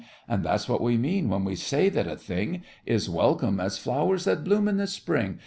And that's what we mean when we say that a thing Is welcome as flowers that bloom in the spring.